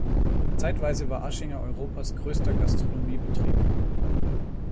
Zeitweise war Aschinger Europas größter Gastronomiebetrieb.